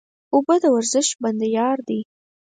اوبه د ورزش بنده یار دی